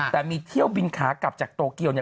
แต่มีเที่ยวบินขากลับจากโตเกียวเนี่ย